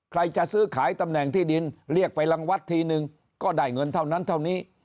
ใครจะซื้อขายตำแหน่งที่ดินเรียกไปรังวัดทีนึงก็ได้เงินเท่านั้นเท่านี้